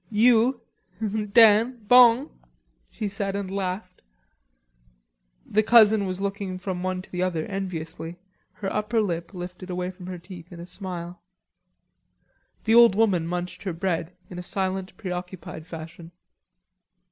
"You.... Dan, bon," she said and laughed. The cousin was looking from one to the other enviously, her upper lip lifted away from her teeth in a smile. The old woman munched her bread in a silent preoccupied fashion.